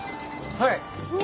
はい。